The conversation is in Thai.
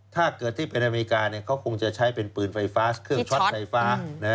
ถ้าเกิดที่เป็นอเมริกาเขาคงจะใช้เป็นปืนไฟฟ้าเครื่องช็อตไฟฟ้า